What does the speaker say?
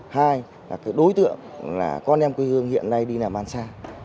hai là cái đối tượng là con em quê hương hiện nay đi làm ăn xa